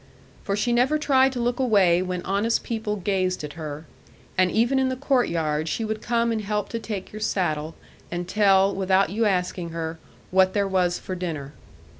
For she never tried to look away when honest people gazed at her; and even in the court yard she would come and help to take your saddle, and tell (without your asking her) what there was for dinner.